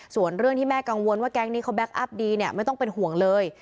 ส่วนเรื่องที่แม่กังวลว่าแก๊งนี้เขาแก๊อัพดีเนี่ยไม่ต้องเป็นห่วงเลย